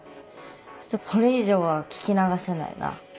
ちょっとこれ以上は聞き流せないな。